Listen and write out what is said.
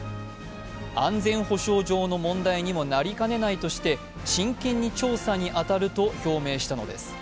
安全保障上の問題にもなりかねないとして真剣に調査に当たると表明したのです。